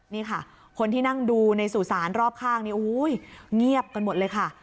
นี่ค่ะคนที่นั่งดูในสู่สารรอบข้างนี้เงียบกันหมดเลยค่ะ